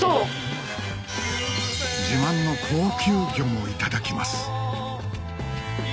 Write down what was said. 自慢の高級魚もいただきます